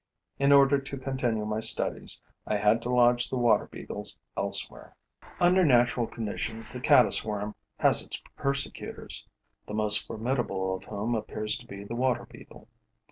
In order to continue my studies, I had to lodge the water beetles elsewhere. Under natural conditions, the caddis worm has its persecutors, the most formidable of whom appears to be the Water beetle.